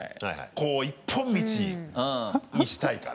こう、一本道にしたいから。